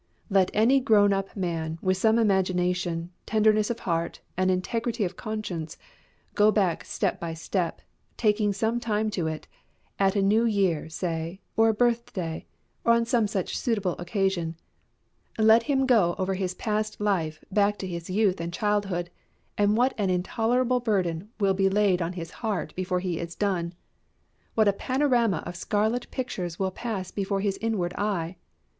Let any grown up man, with some imagination, tenderness of heart, and integrity of conscience, go back step by step, taking some time to it, at a new year, say, or a birthday, or on some such suitable occasion: let him go over his past life back to his youth and childhood and what an intolerable burden will be laid on his heart before he is done! What a panorama of scarlet pictures will pass before his inward eye!